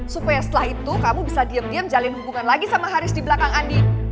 supaya setelah itu kamu bisa diam diam jalin hubungan lagi sama haris di belakang andi